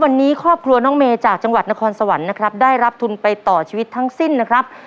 วันนี้ครอบครัวน้องเมย์จากจังหวัดนครสวรรค์นะครับได้รับทุนไปต่อชีวิตทั้งสิ้นนะครับ